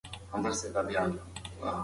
باندې ګرم باد په شدت سره لګېږي.